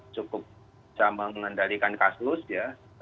cukup bisa mengendalikan kasus ya